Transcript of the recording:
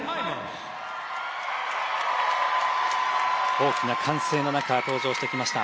大きな歓声の中登場してきました。